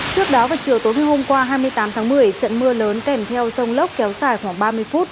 trước đó vào chiều tối ngày hôm qua hai mươi tám tháng một mươi trận mưa lớn kèm theo sông lốc kéo dài khoảng ba mươi phút